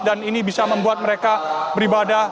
ini bisa membuat mereka beribadah